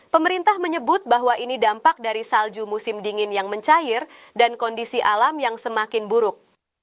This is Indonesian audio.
pemerintah menyebut bahwa ini dampak dari salju musim dingin yang mencair dan kondisi alam yang semakin buruk